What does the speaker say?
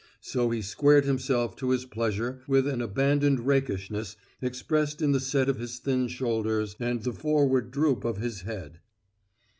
So he squared himself to his pleasure with an abandoned rakishness expressed in the set of his thin shoulders and the forward droop of his head.